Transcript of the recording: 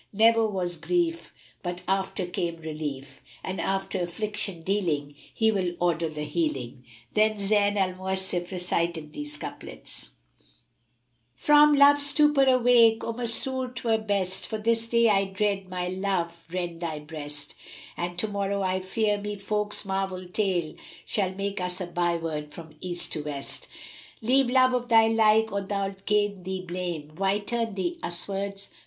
Never was grief but after came relief, and after affliction dealing He will order the healing." Then Zayn al Mawasif recited these couplets, "From Love stupor awake, O Masrur, 'twere best; * For this day I dread my love rend thy breast; And to morrow I fear me folks' marvel tale * Shall make us a byword from East to West: Leave love of my like or thou'lt gain thee blame; * Why turn thee us wards?